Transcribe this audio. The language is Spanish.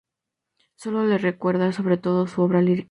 Se le recuerda sobre todo por su obra lírica.